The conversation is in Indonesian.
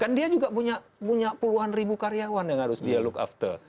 kan dia juga punya puluhan ribu karyawan yang harus dia look after